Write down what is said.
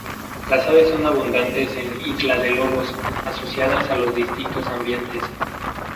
Las aves son abundantes en Isla de Lobos, asociadas a los distintos ambientes.